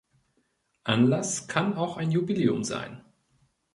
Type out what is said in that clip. Anlass kann auch ein Jubiläum sein.